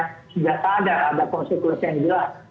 sudah tahu ada konsekuensi yang jelas